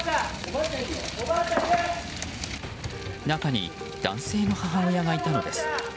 中に、男性の母親がいたのです。